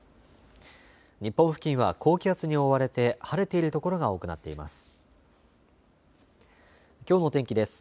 日本付近は高気圧に覆われて晴れている所が多くなっています。